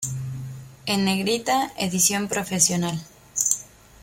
En negrita: edición profesional.